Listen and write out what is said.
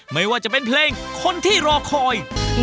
ไม่ว่าจะเป็นเพลงคนที่รอคอย